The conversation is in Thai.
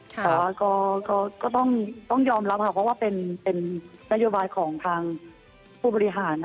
แต่ว่าก็ต้องยอมรับค่ะเพราะว่าเป็นนโยบายของทางผู้บริหาร